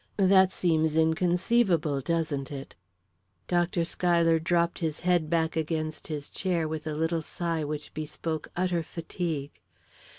That seems inconceivable, doesn't it?" Dr. Schuyler dropped his head back against his chair with a little sigh which bespoke utter fatigue.